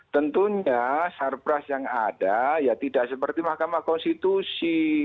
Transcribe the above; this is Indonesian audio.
tentunya sarpras yang ada ya tidak seperti mahkamah konstitusi